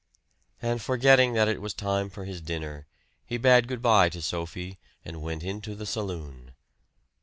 And forgetting that it was time for his dinner, he bade good by to Sophie and went into the saloon.